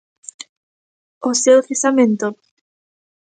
O seu cesamento?